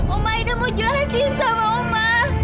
oma aida mau jelasin sama oma